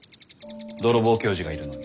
泥棒教授がいるのに。